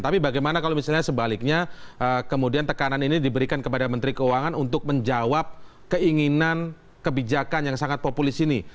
tapi bagaimana kalau misalnya sebaliknya kemudian tekanan ini diberikan kepada menteri keuangan untuk menjawab keinginan kebijakan yang sangat populis ini